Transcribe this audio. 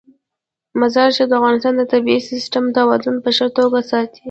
مزارشریف د افغانستان د طبعي سیسټم توازن په ښه توګه ساتي.